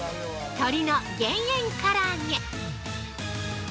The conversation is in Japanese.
「鶏の減塩から揚げ」。